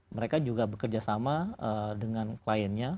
mereka juga bekerja sama dengan kliennya